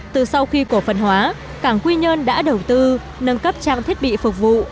từ sau khi cổ phần hóa cảng quy nhơn đã đầu tư nâng cấp trang thiết bị phục vụ